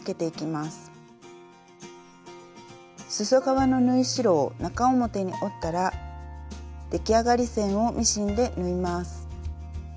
すそ側の縫い代を中表に折ったら出来上がり線をミシンで縫います。